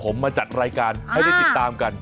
ผมมาจัดรายการให้ได้ติดตามกัน